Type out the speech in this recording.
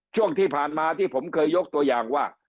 ช่วงที่ผ่านมาที่ผมเคยยกตัวอย่างว่า